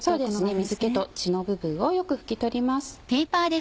水気と血の部分をよく拭き取ります。